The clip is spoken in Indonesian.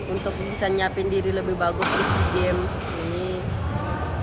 untuk bisa nyiapin diri lebih bagus di sea games ini